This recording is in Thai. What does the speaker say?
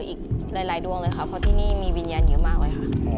อีกหลายดวงเลยค่ะเพราะที่นี่มีวิญญาณเยอะมากเลยค่ะ